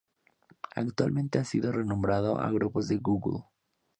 Actualmente ha sido renombrado a Grupos de Google.